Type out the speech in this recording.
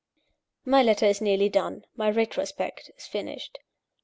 "My letter is nearly done: my retrospect is finished.